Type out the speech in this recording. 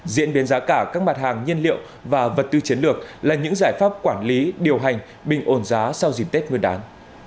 diễn biến giá cả các mặt hàng nhiên liệu và vật tư chiến lược là những giải pháp quản lý điều hành bình ổn giá sau dịp tết nguyên đán